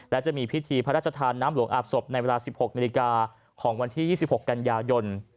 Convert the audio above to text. และจะมีพิธีพระราชทานน้ำหลวงอาบศพในเวลา๑๖นาฬิกาของวันที่๒๖กันยายน